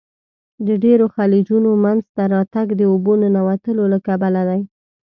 د ډیرو خلیجونو منځته راتګ د اوبو ننوتلو له کبله دی.